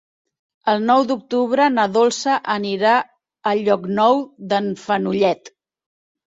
El nou d'octubre na Dolça anirà a Llocnou d'en Fenollet.